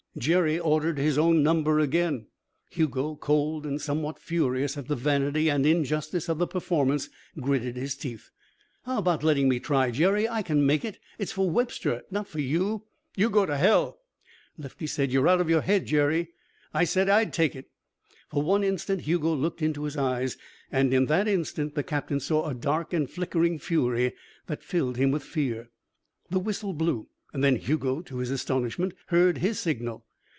Jerry ordered his own number again. Hugo, cold and somewhat furious at the vanity and injustice of the performance, gritted his teeth. "How about letting me try, Jerry? I can make it. It's for Webster not for you." "You go to hell." Lefty said: "You're out of your head, Jerry." "I said I'd take it." For one instant Hugo looked into his eyes. And in that instant the captain saw a dark and flickering fury that filled him with fear. The whistle blew. And then Hugo, to his astonishment, heard his signal.